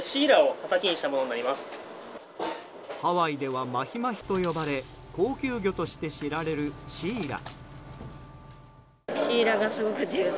ハワイではマヒマヒと呼ばれ高級魚として知られるシイラ。